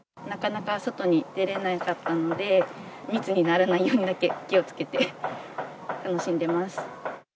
なかなか外に出れなかったので、密にならないようにだけ気をつけて、楽しんでます。